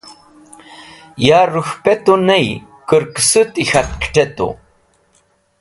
Ya rũk̃hpẽtu ny kẽrkẽsũt k̃hat kẽt̃etu.